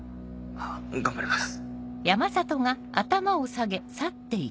頑張ります。